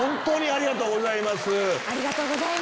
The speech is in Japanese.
ありがとうございます。